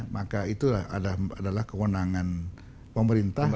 maka itu adalah kewenangan pemerintah